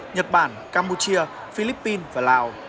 nhật bản campuchia philippines và lào